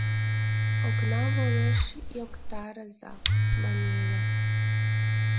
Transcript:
Окна волеш йоктарыза, маневе.